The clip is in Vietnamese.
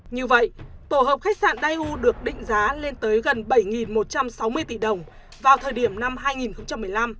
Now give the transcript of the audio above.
như vậy tổ hợp khách sạn daiu được định giá lên tới gần bảy một trăm sáu mươi tỷ đồng vào thời điểm năm hai nghìn một mươi năm